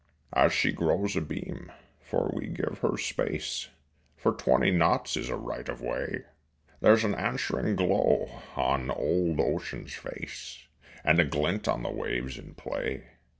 As she grows abeam for we give her space, For twenty knots is a right of way There's an answering glow on old ocean's face And a glint on the waves in play.